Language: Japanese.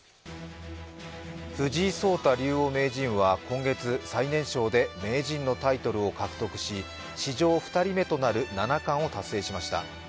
藤井聡太竜王名人は、今年最年少で名人のタイトルを獲得し、史上２人目となる七冠を達成しました。